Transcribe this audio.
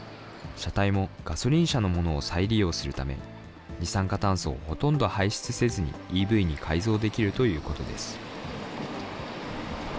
車体もガソリン車のものを再利用するため、二酸化炭素をほとんど排出せずに、ＥＶに改造できるということです。